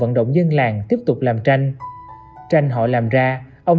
vận động dân làng tiếp tục làm tranh tranh họ làm ra ông